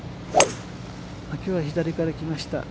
きょうは左から来ました。